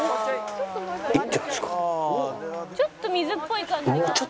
「ちょっと水っぽい感じが」